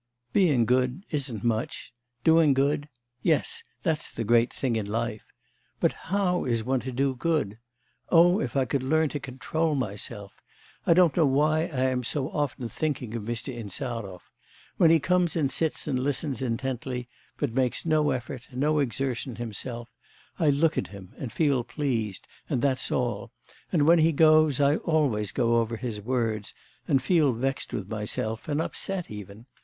Being good isn't much; doing good... yes, that's the great thing in life. But how is one to do good? Oh, if I could learn to control myself! I don't know why I am so often thinking of Mr. Insarov. When he comes and sits and listens intently, but makes no effort, no exertion himself, I look at him, and feel pleased, and that's all, and when he goes, I always go over his words, and feel vexed with myself, and upset even.